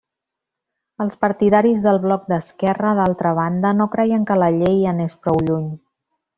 Els partidaris del bloc d'esquerra, d'altra banda, no creien que la llei anés prou lluny.